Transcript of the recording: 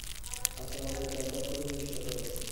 সর্বদা আত্মবিশ্বাস অভ্যাস করিতে চেষ্টা কর।